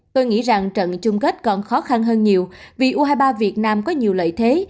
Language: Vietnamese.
tôi nghĩ rằng trận chung kết còn khó khăn hơn nhiều vì u hai mươi ba việt nam có nhiều lợi thế